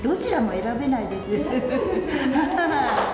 選べないですよね。